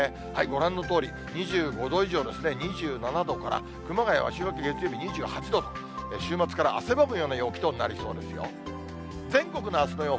ご覧のとおり、２５度以上ですね、２７度から熊谷は週末、月曜日２８度と、週末から汗ばむような陽気となりそうですよ。